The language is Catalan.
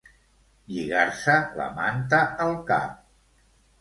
Lligar-se la manta al cap.